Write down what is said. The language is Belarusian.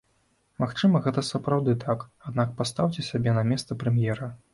Магчыма, гэта сапраўды так, аднак пастаўце сябе на месца прэм'ера.